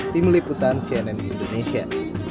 tim liputan cnn indonesia